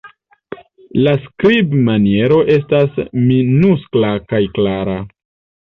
La skribmaniero estas minuskla kaj klara.